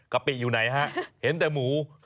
กปิอยู่ไหนฮะเห็นแต่หมู